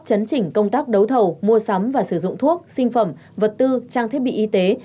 chấn chỉnh công tác đấu thầu mua sắm và sử dụng thuốc sinh phẩm vật tư trang thiết bị y tế